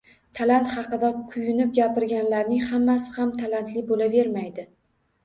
Talant haqida kuyunib gapirganlarning hammasi ham talantli bo`lavermaydi